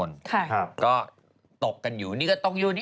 ครับก็ตกกันอยู่นี่ก็ต้องอยู่นี่